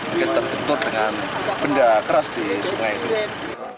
mungkin terbentuk dengan benda keras di sungai itu